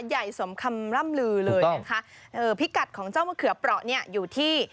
ใหญ่สมคำล่ำลือเลยนะคะเอ่อพิกัดของเจ้ามะเขือเปราะเนี่ยอยู่ที่